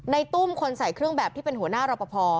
ตุ้มคนใส่เครื่องแบบที่เป็นหัวหน้ารอปภ